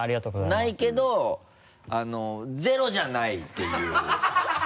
ないけどゼロじゃないっていう。